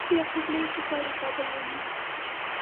یعقوب لیث صفاري کابل ونیو